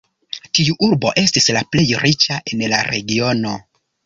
Tiu urbo estis la plej riĉa en la regiono.